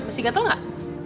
masih gatel gak